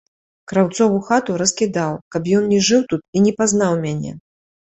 Краўцову хату раскідаў, каб ён не жыў тут і не пазнаў мяне.